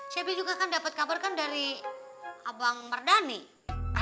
shelby juga kan dapat kabar kan dari abang merdan ya